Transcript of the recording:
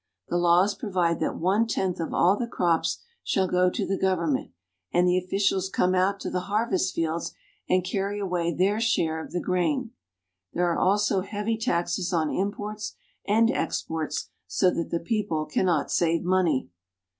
The laws provide that one tenth of all the crops shall go to the government, and the officials come out to the harvest fields and carry away their share of the grain. There are also heavy taxes on imports and exports, so that the people cannot save money.